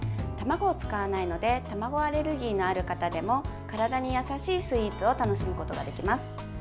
卵を使わないので卵アレルギーのある方でも体に優しいスイーツを楽しむことができます。